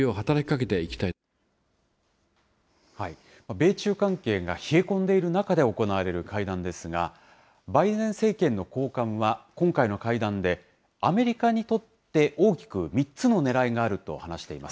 米中関係が冷え込んでいる中で行われる会談ですが、バイデン政権の高官は今回の会談で、アメリカにとって大きく３つのねらいがあると話しています。